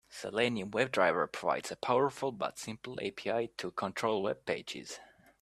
Selenium WebDriver provides a powerful but simple API to control webpages.